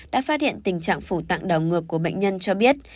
đã phát hiện tình trạng phủ tạng đào ngược của bệnh nhân cho biết